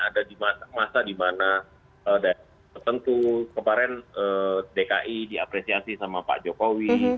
ada di masa di mana dan tentu kemarin dki diapresiasi sama pak jokowi